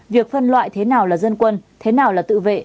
việc phân loại thế nào là dân quân thế nào là tự vệ